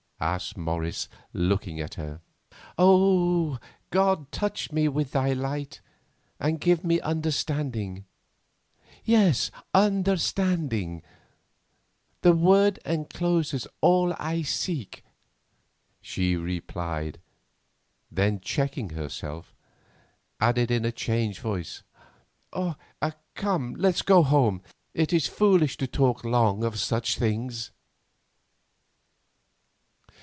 asked Morris, looking at her. "O! God, touch me with Thy light, and give me understanding—yes, understanding—the word encloses all I seek," she replied, then, checking herself, added in a changed voice, "Come, let us go home; it is foolish to talk long of such things."